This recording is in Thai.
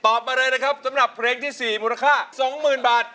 มาเลยนะครับสำหรับเพลงที่๔มูลค่า๒๐๐๐บาท